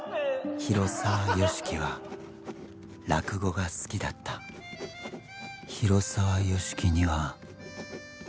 「広沢由樹は落語が好きだった」「広沢由樹には」